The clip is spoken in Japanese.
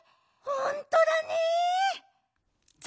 ほんとだね！